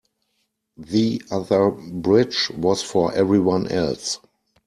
The other bridge was for everyone else.